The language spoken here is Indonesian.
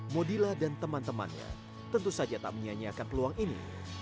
modila dan teman temannya tentu saja tak menyanyiakan peluang ini